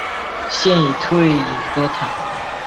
现已退隐歌坛。